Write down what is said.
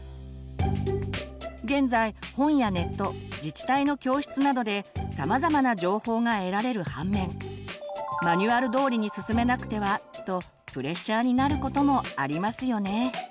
現在本やネット自治体の教室などでさまざまな情報が得られる反面マニュアル通りに進めなくてはとプレッシャーになることもありますよね。